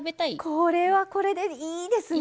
これはこれでいいですね。